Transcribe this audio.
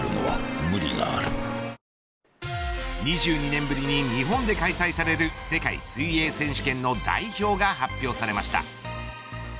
２２年ぶりに日本で開催される世界水泳選手権の代表が発表されました。